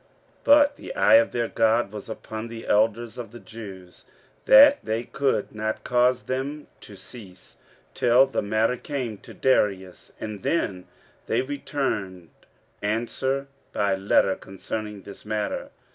15:005:005 But the eye of their God was upon the elders of the Jews, that they could not cause them to cease, till the matter came to Darius: and then they returned answer by letter concerning this matter.